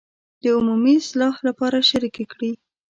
د عمومي اصلاح لپاره شریکې کړي.